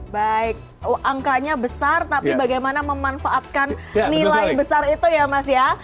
baik angkanya besar tapi bagaimana memanfaatkan nilai besar itu ya mas ya